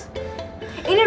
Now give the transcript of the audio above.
ini udah di dalam